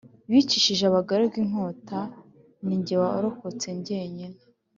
bicishije abagaragu inkota. Ni jye warokotse jyenyine